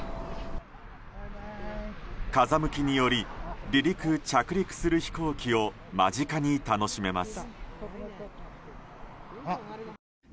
風向きにより離陸、着陸する飛行機を間近に楽しめます。